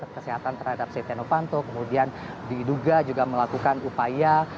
kesehatan terhadap setianofanto kemudian diduga juga melakukan upaya